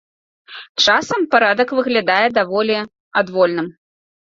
Часам парадак выглядае даволі адвольным.